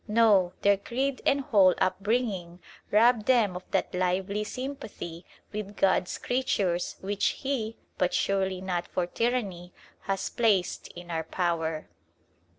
No, their creed and whole upbringing rob them of that lively sympathy with God's creatures which He, but surely not for tyranny, has placed in our power.